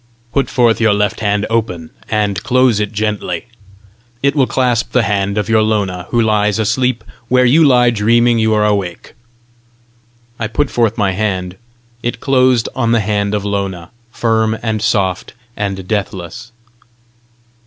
Put forth your left hand open, and close it gently: it will clasp the hand of your Lona, who lies asleep where you lie dreaming you are awake." I put forth my hand: it closed on the hand of Lona, firm and soft and deathless.